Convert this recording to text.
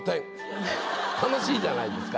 楽しいじゃないですか。